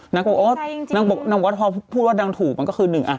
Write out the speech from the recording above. นางก็บอกว่าพอพูดว่านางถูกมันก็คือ๑